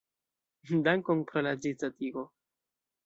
Dankon pro la ĝisdatigo.